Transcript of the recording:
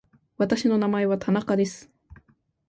私の名前は田中です。